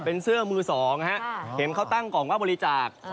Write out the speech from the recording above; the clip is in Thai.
เป็นเสื้อมือสองฮะเห็นเขาตั้งกล่องว่าบริจาค